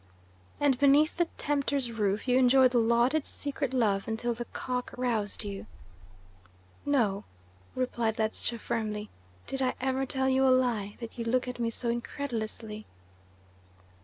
"And beneath the tempter's roof you enjoyed the lauded secret love until the cock roused you?" "No," replied Ledscha firmly. "Did I ever tell you a lie, that you look at me so incredulously?"